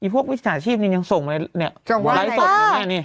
พวกวิทยาชีพนี้ยังส่งไว้ไว้สดอย่างนี้